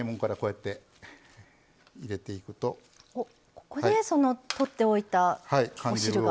ここでとっておいたお汁が。